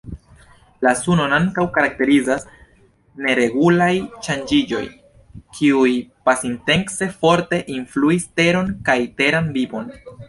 La Sunon ankaŭ karakterizas neregulaj ŝanĝiĝoj kiuj, pasintece, forte influis Teron kaj teran vivon.